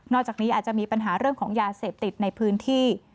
จากนี้อาจจะมีปัญหาเรื่องของยาเสพติดในพื้นที่